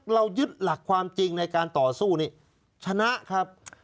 เรายึดหลักความจริงในการต่อสู้นี้ชนะครับ